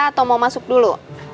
atau mau masuk dulu